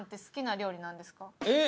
えっ！